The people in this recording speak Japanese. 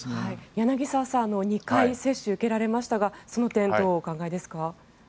柳澤さん２回接種を受けられましたがその点、どうお考えですか？